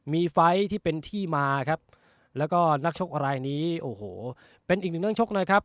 มีไฟล์ที่เป็นที่มาครับแล้วก็นักชกอะไรนี้โอ้โหเป็นอีกหนึ่งเรื่องชกนะครับ